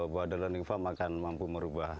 bahwa the learning farm akan mampu merubah